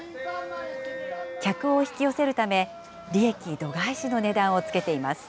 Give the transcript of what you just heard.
客を引き寄せるため、利益度外視の値段を付けています。